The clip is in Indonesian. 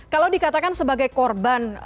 kalau dikatakan sebagai korban